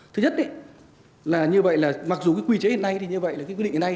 thứ nhất mặc dù quy chế hiện nay thì như vậy là quyết định hiện nay